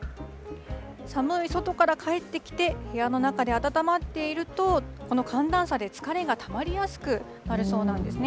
寒い外から帰ってきて、部屋の中で温まっていると、この寒暖差で疲れがたまりやすくなるそうなんですね。